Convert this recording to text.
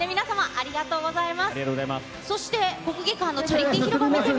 ありがとうございます。